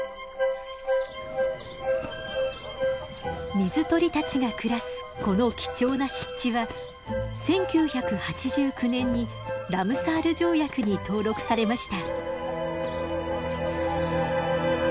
水鳥たちが暮らすこの貴重な湿地は１９８９年にラムサール条約に登録されました。